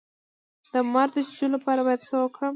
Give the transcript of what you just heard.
د مار د چیچلو لپاره باید څه وکړم؟